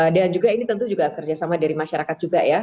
dan juga ini tentu juga kerjasama dari masyarakat juga ya